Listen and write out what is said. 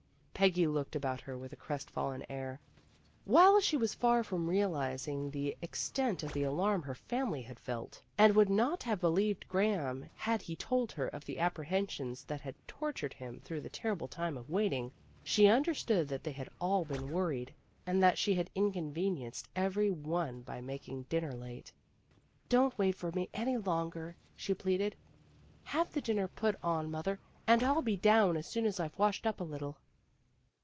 Peggy looked about her with a crestfallen air. While she was far from realizing the ex tent of the alarm her family had felt, and would not have believed Graham had he told her of the apprehensions that had tortured him through the terrible time of waiting, she understood that they had all been worried and 310 PEGGY RAYMOND'S WAY that she had inconvenienced every one by making dinner late. " Don't wait for me any longer," she pleaded. "Have the dinner put on, mother, and I'll be down as soon as I've washed up a little."